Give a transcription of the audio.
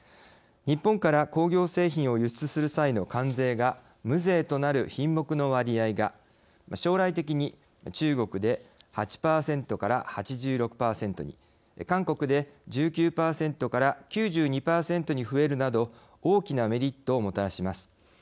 日本から工業製品を輸出する際の関税が無税となる品目の割合が将来的に中国で８％から８６％に韓国で１９％から９２％に増えるなど大きなメリットをもたらします。